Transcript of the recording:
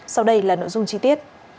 sau đây là nội dung chi tiết